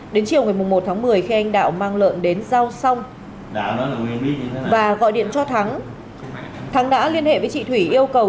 đến chiều một mươi một tháng một mươi khi anh đạo mang lợn đến giao song và gọi điện cho thắng thắng đã liên hệ với chị thúy yêu cầu